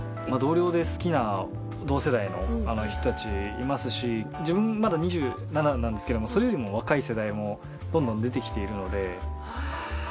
同僚で好きな同世代の人たちいますし自分まだ２７なんですけどそれよりも若い世代もどんどん出てきているので。